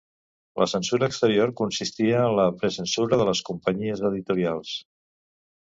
La censura exterior consistia en la precensura de les companyies editorials.